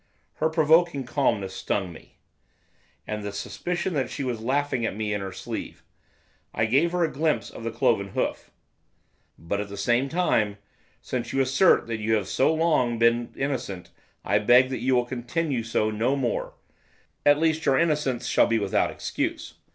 Her provoking calmness stung me, and the suspicion that she was laughing at me in her sleeve. I gave her a glimpse of the cloven hoof. 'But, at the same time, since you assert that you have so long been innocent, I beg that you will continue so no more. At least, your innocence shall be without excuse.